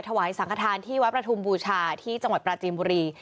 ถวายสังขทานที่วัดประทุมบูชาที่จังหวัดปราจีนบุรี